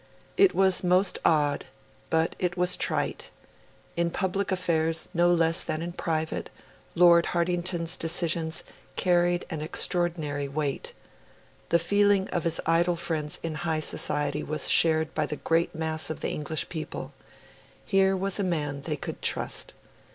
It was most odd. But it was trite. In public affairs, no less than in private, Lord Hartington's decisions carried an extraordinary weight. The feeling of his idle friends in high society was shared by the great mass of the English people; here was a man they could trust.